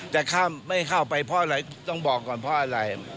แต่ไม่เข้าไปเพราะอะไรต้องบอกก่อนเพราะอะไร